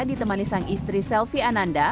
ditemani sang istri selvi ananda